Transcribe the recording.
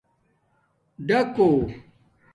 ڈَاکݸ